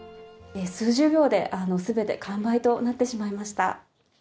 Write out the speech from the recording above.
数十秒ですべて完売となってしまいました。